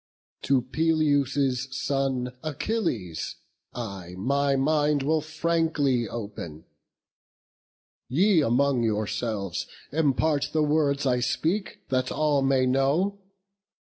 To Peleus' son, Achilles, I my mind Will frankly open; ye among yourselves Impart the words I speak, that all may know.